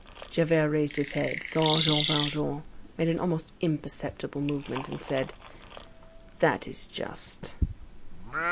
Javert raised his head, saw Jean Valjean, made an almost imperceptible movement, and said: "That is just."